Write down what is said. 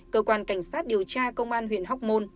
cơ quan cảnh sát điều tra công an huyện hoc mon